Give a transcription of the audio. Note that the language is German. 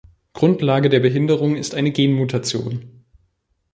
Grundlage der Behinderung ist eine Genmutation.